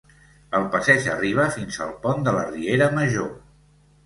El passeig arriba fins al pont de la riera Major.